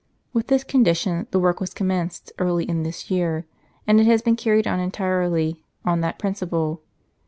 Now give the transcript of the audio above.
With this condition, the work was com menced early in this year ; and it has been carried on entirely on that principle.